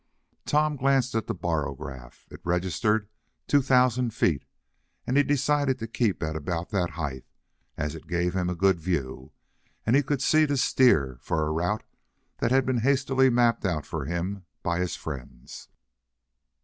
Tom glanced at the barograph. It registered two thousand feet, and he decided to keep at about that height, as it gave him a good view, and he could see to steer, for a route had been hastily mapped out for him by his friends.